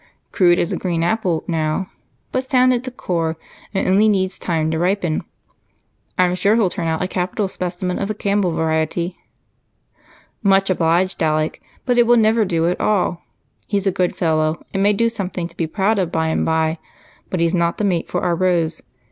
Crude as a green apple now, but sound at the core, and only needs time to ripen. I'm sure he'll turn out a capital specimen of the Campbell variety." "Much obliged, Alec, but it will never do at all. He's a good fellow, and may do something to be proud of by and by, but he's not the mate for our Rose.